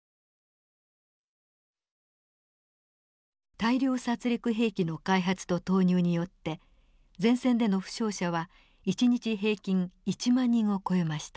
大量殺戮兵器の開発と投入によって前線での負傷者は一日平均１万人を超えました。